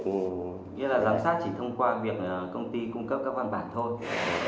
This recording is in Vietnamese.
cũng nghĩa là giám sát chỉ thông qua việc công ty cung cấp các văn bản thôi